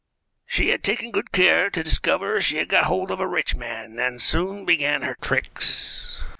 She had taken good care to discover she had got hold of a rich man, and soon began her tricks.